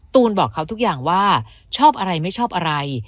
ตูนบอกเขาทุกอย่างว่าชอบอะไรไม่ชอบอะไร